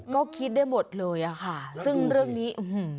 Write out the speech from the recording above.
ก็ไม่ได้หมดเลยอะค่ะซึ่งเรื่องนี้